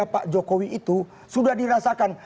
pak jokowi itu sudah dirasakan